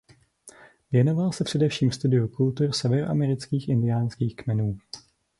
Věnoval se především studiu kultur severoamerických indiánských kmenů.